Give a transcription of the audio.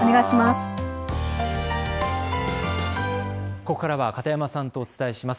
ここからは片山さんとお伝えします。